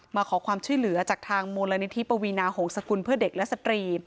มาขอความช่วยเหลือจากทางมูลนิธิปวีนาหงษกุลเพื่อเด็กและสตรี